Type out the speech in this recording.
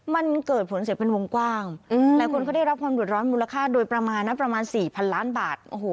มันเกิดผลเสียเป็นวงกว้างหลายคนก็ได้รับความหลวดร้อนมูลค่าโดยประมาณ๔พันล้านบาท